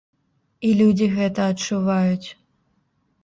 І людзі гэта адчуваюць.